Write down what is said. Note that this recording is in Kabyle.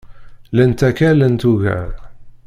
Llant akka llant ugar